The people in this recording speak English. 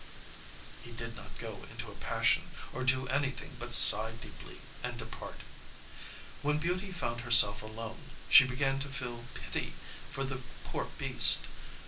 He did not go into a passion, or do anything but sigh deeply, and depart. When Beauty found herself alone she began to feel pity for the poor beast.